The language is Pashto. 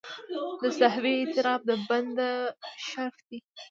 د سهوې اعتراف د بنده شرف دی.